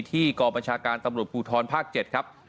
ที่กรบบัญชาการตำรวจกุธรภาค๗ครับ